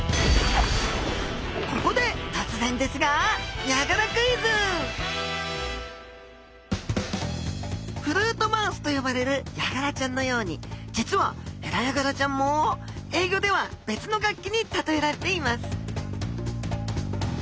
ここで突然ですがフルートマウスと呼ばれるヤガラちゃんのように実はヘラヤガラちゃんも英語では別の楽器に例えられています